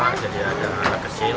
kejadian anak kecil